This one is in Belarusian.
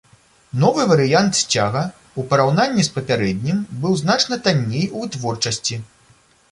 Новы варыянт сцяга ў параўнанні з папярэднім быў значна танней у вытворчасці.